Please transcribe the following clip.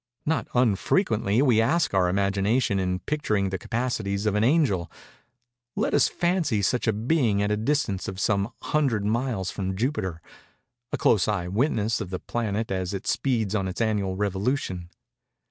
Not unfrequently we task our imagination in picturing the capacities of an angel. Let us fancy such a being at a distance of some hundred miles from Jupiter—a close eye witness of this planet as it speeds on its annual revolution.